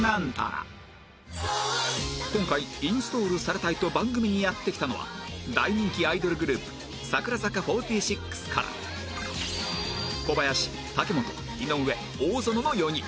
今回インストールされたいと番組にやって来たのは大人気アイドルグループ櫻坂４６から小林武元井上大園の４人